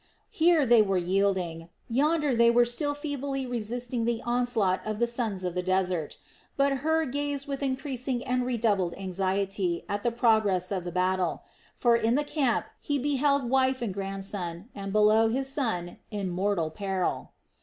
Here they were yielding, yonder they were still feebly resisting the onslaught of the sons of the desert; but Hur gazed with increasing and redoubled anxiety at the progress of the battle; for in the camp he beheld wife and grandson, and below his son, in mortal peril.